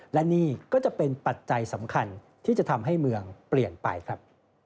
และนี่ก็จะเป็นปัจจัยสำคัญที่จะทำให้เมืองเปลี่ยนไปครับ